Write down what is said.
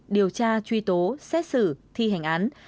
điều tra truy tố xét xử thi hành án